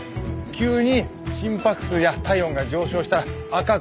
急に心拍数や体温が上昇したら赤く映るんです。